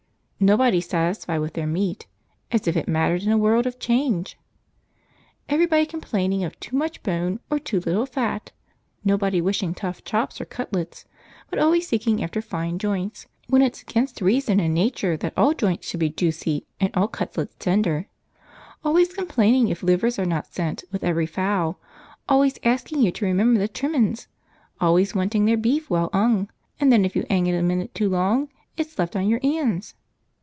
Nobody satisfied with their meat; as if it mattered in a world of change! Everybody complaining of too much bone or too little fat; nobody wishing tough chops or cutlets, but always seeking after fine joints, when it's against reason and nature that all joints should be juicy and all cutlets tender; always complaining if livers are not sent with every fowl, always asking you to remember the trimmin's, always wanting their beef well 'ung, and then if you 'ang it a minute too long, it's left on your 'ands!